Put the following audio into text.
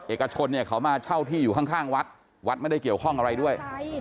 เอกชนเนี่ยเขามาเช่าที่อยู่ข้างวัดวัดไม่ได้เกี่ยวข้องอะไรด้วย